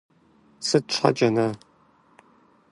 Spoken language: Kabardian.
Сыт щхьэкӀэ, на-а?